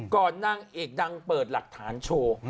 นางเอกดังเปิดหลักฐานโชว์